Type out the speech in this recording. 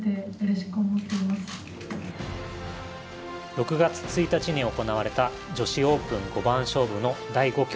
６月１日に行われた女子オープン五番勝負の第５局。